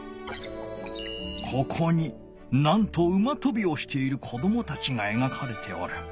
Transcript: ここになんと馬とびをしている子どもたちがえがかれておる。